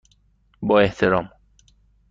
با احترام،